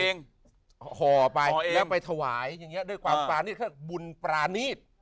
ห่อไปแล้วไปถวายอย่างนี้ด้วยความปรานีตเครื่องบุญปรานีต